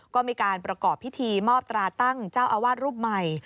ก็มีการประกอบพิธีมอบตราตั้งเจ้าอาวาสรูปใหม่